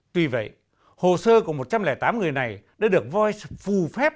tuy vậy hồ sơ của một trăm linh tám người này đã được voice phù phép